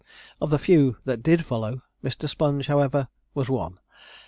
Of the few that did follow, Mr. Sponge, however, was one.